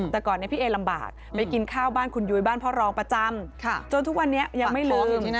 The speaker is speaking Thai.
แต่ก่อนนี้พี่เอลำบากไปกินข้าวบ้านคุณยุ้ยบ้านพ่อรองประจำจนทุกวันนี้ยังไม่ลืม